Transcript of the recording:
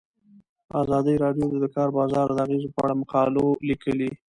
ازادي راډیو د د کار بازار د اغیزو په اړه مقالو لیکلي.